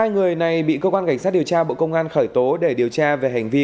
hai người này bị cơ quan cảnh sát điều tra bộ công an khởi tố để điều tra về hành vi